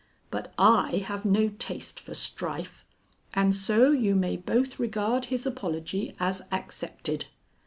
But I have no taste for strife, and so you may both regard his apology as accepted.